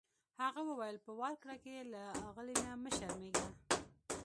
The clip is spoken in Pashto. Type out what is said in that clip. هغه وویل په ورکړه کې یې له اغلې نه مه شرمیږه.